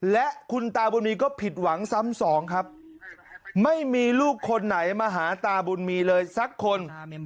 และคุณตาบุญมีก็ผิดหวังซ้ำสองครับไม่มีลูกคนไหนมาหาตาบุญมีเลยสักคน